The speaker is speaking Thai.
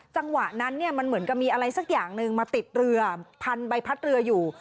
จังหวะนั้นเนี่ยมันเหมือนกับมีอะไรสักอย่างหนึ่งมาติดเรือพันใบพัดเรืออยู่